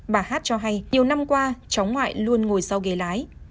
bà hát cho hay nhiều năm qua cháu ngoại luôn ngồi sau ghế lái